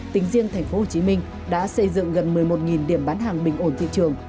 tính riêng tp hcm đã xây dựng gần một mươi một điểm bán hàng bình ổn thị trường